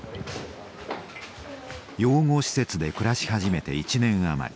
養護施設で暮らし始めて１年余り。